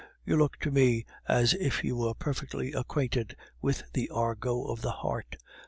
You look to me as if you were perfectly acquainted with the argot of the heart.